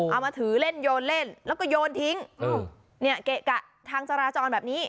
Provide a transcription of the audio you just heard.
เอามาถือเล่นโยนเล่นแล้วก็โยนทิ้งเนี่ยเกะกะทางจราจรแบบนี้